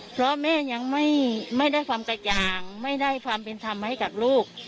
เพราะแม่ยังไม่ได้ความแตกต่างไม่ได้ความเป็นธรรมให้กับลูก